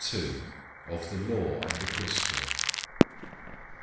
OF THE LAW AND A CHRISTIAN.